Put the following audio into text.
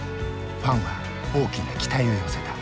ファンは大きな期待を寄せた。